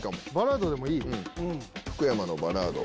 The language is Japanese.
福山のバラード。